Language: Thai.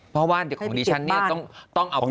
เพราะว่าของดิฉันนี่ต้องเอาไปลอยอ่ะ